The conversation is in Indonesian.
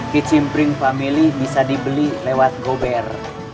kicimpring family bisa dibeli lewat gober